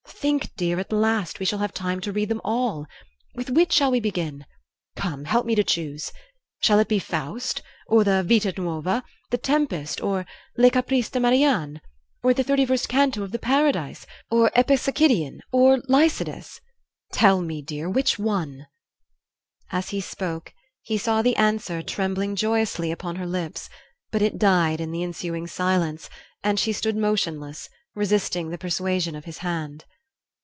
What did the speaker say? Think, dear, at last we shall have time to read them all. With which shall we begin? Come, help me to choose. Shall it be 'Faust' or the 'Vita Nuova,' the 'Tempest' or 'Les Caprices de Marianne,' or the thirty first canto of the 'Paradise,' or 'Epipsychidion' or 'Lycidas'? Tell me, dear, which one?" As he spoke he saw the answer trembling joyously upon her lips; but it died in the ensuing silence, and she stood motionless, resisting the persuasion of his hand.